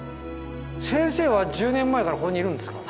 先生は１０年前からここにいるんですか？